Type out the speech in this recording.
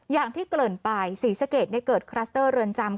อย่างที่เกริ่นไปศรีสะเกดเกิดคลัสเตอร์เรือนจำ